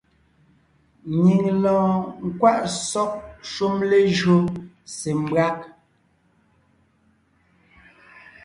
Nyìŋ lɔɔn nkwaʼ sɔ́g shúm lejÿó se mbÿág.